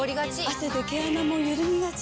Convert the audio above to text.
汗で毛穴もゆるみがち。